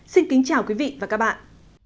xin kính chào quý vị và các bạn